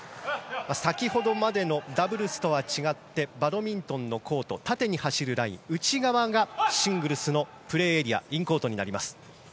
先ほどまでのダブルスと違ってバドミントンのコート縦に走るライン内側がシングルスのプレーエリアインコートになります。